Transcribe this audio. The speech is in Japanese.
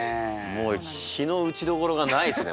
もう非の打ちどころがないっすね